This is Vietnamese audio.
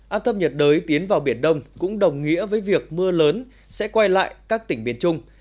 áp thấp nhiệt đới tiến vào biển đông cũng đồng nghĩa với việc mưa lớn sẽ quay lại các tỉnh biển trung